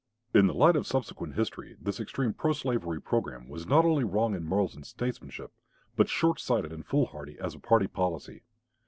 In the light of subsequent history this extreme pro slavery programme was not only wrong in morals and statesmanship, but short sighted and foolhardy as a party policy.